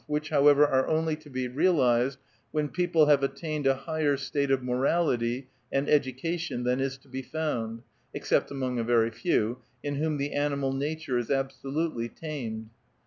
which, however, are only to be realized when people have attained a higher state of morality and educa tion than is to be found, except among a very few, in whom the animal nature is absolutely tamed.